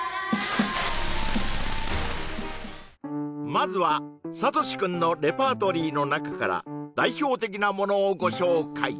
まずはサトシくんのレパートリーの中から代表的なものをご紹介！